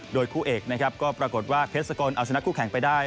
โดยคู่เอกนะครับก็ปรากฏว่าเพชรสกลเอาชนะคู่แข่งไปได้